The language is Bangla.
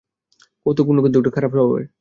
কৌতুকপূর্ণ, কিন্তু একটু খারাপ স্বভাবের।